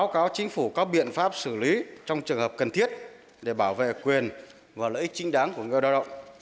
cáo chính phủ có biện pháp xử lý trong trường hợp cần thiết để bảo vệ quyền và lợi ích chính đáng của người đa động